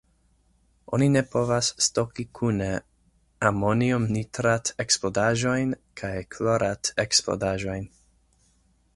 Oni ne povas stoki kune amoniumnitrat-eksplodaĵojn kaj Klorat-eksplodaĵojn.